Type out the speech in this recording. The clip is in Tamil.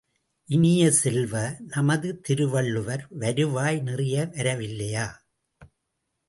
இனிய செல்வ, நமது திருவள்ளுவர், வருவாய் நிறைய வரவில்லையா?